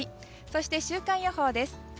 そして週間予報です。